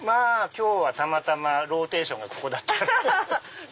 今日はたまたまローテーションがここだった。